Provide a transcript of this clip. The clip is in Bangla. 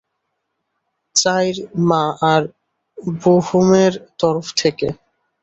চাই-র মা আর বোহোমের তরফ থেকে।